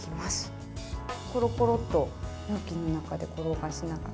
コロコロっと容器の中で転がしながら。